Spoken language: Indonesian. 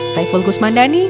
saya fulgus mandani